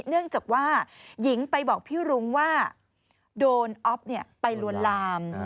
เนื่องจากว่าหญิงไปบอกพี่รุ้งว่าโดนอ๊อฟไปลวนลาม